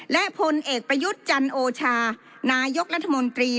และพลเอกประยุทธ์จันโอชานายกรัฐมนตรี